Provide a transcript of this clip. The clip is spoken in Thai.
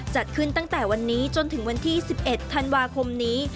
จัดขึ้นตั้งแต่วันนี้จนถึงวันที่๑๑ธันวาคมนี้